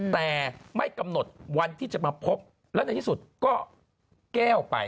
แต่ไม่กำหนดวันที่จะมาพบแล้วในที่สุดก็แก้วไป